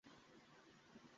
তো, হ্যাঁ।